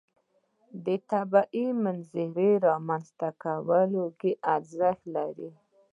طبیعي منظرې رامنځته کولو کې ارزښت لري.